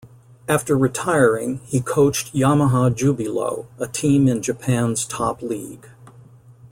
After retiring, he coached Yamaha Jubilo, a team in Japan's Top League.